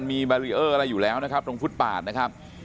มีแบรีเออร์อะไรอยู่แล้วนะครับตรงฟุตปาดนะครับ